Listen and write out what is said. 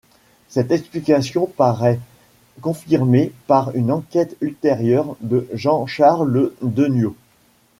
Cette explication paraît confirmée par une enquête ultérieure de Jean-Charles Deniau.